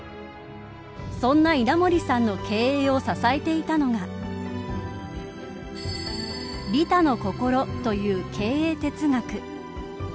そんな稲盛さんの経営を支えていたのが利他の心という経営哲学。